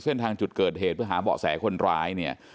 เส้นทางจุดเกิดเหตุเพื่อหาเบาะแสคนร้ายเนี่ย